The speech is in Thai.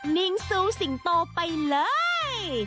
นิ่งสู้สิงโตไปเลย